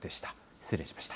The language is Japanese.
失礼しました。